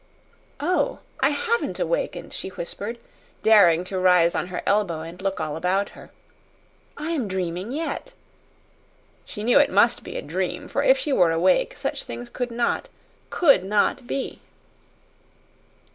"Oh, I HAVEN'T awakened," she whispered, daring to rise on her elbow and look all about her. "I am dreaming yet." She knew it MUST be a dream, for if she were awake such things could not could not be.